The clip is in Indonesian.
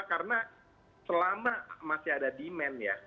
karena selama masih ada demand ya